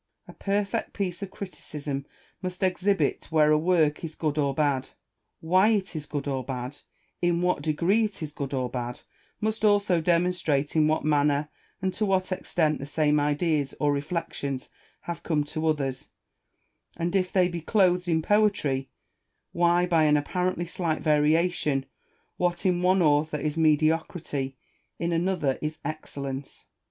A perfect piece of criticism must exhibit where a work is good or bad ; why it is good or bad ; in what degree it is good or bad ; must also demonstrate in what manner, and to what extent the same ideas or reflections have come to others, and, if they be clothed in poetry, why by an apparently slight variation, what in one author is mediocrity, in another is excellence.